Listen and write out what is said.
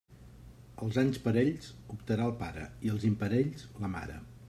Els anys parells optarà el pare i els imparells la mare.